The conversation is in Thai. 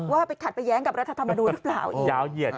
ว่าไปขัดไปแย้งกับรัฐธรรมนูลหรือเปล่า